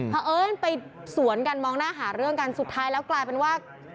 เพราะเอิญไปสวนกันมองหน้าหาเรื่องกันสุดท้ายแล้วกลายเป็นว่า